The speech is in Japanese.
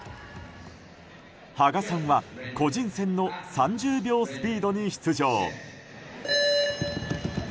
芳我さんは、個人戦の３０秒スピードに出場。